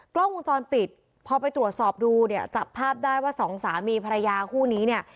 กล้องวงจรปิดพอไปตรวจสอบดูเนี่ยจับภาพได้ว่าสองสามีภรรยาคู่นี้เนี่ย